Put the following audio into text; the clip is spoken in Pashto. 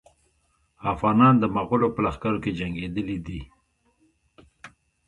افغانان د مغولو په لښکرو کې جنګېدلي دي.